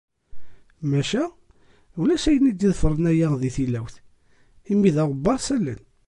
maca ulac ayen i d-iḍefren aya di tilawt, imi d aɣebbar s allen.